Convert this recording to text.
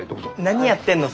何やってんのさ？